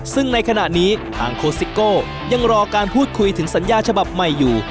ซึ่งในขณะนี้ทางโคสิโก้ยังรอการพูดคุยถึงสัญญาฉบับใหม่อยู่